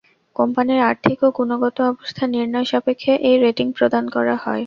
কোম্পানির আর্থিক ও গুণগত অবস্থা নির্ণয় সাপেক্ষে এই রেটিং প্রদান করা হয়।